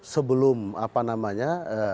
sebelum apa namanya